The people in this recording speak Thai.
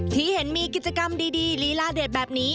ที่เห็นมีกิจกรรมดีลีลาเด็ดแบบนี้